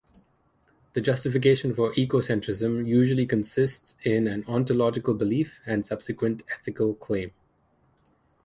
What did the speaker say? The justification for ecocentrism usually consists in an ontological belief and subsequent ethical claim.